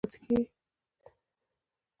سره زر زنګ نه وهي او د اوږدې مودې لپاره پاتې کېږي.